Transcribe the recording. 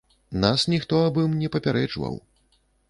Нас ніхто аб ім не папярэджваў.